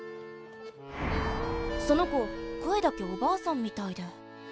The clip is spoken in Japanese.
その子声だけおばあさんみたいで。